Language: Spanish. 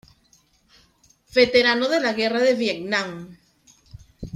Veterano de la Guerra de Vietnam.